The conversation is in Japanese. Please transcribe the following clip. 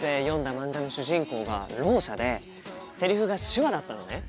漫画の主人公がろう者でセリフが手話だったのね。